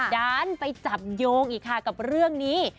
ด้านไปจับโยงอีกค่ะกับเรื่องนี้